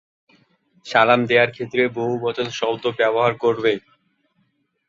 সালাম দেয়ার ক্ষেত্রে বহুবচন শব্দ ব্যবহার করবে।